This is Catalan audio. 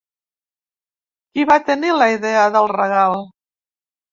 Qui va tenir la idea del regal?